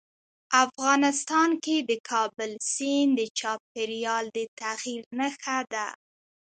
افغانستان کې د کابل سیند د چاپېریال د تغیر نښه ده.